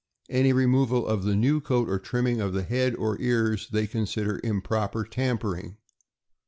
Any removal of the new coat, or trimming of head or ears, they consider improper tampering."